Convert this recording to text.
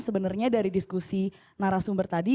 sebenarnya dari diskusi narasumber tadi